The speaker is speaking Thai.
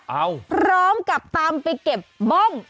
เอาพร้อมกับตามไปเก็บบ้อง